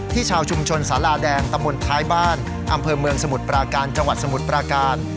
ชาวชุมชนสาราแดงตำบลท้ายบ้านอำเภอเมืองสมุทรปราการจังหวัดสมุทรปราการ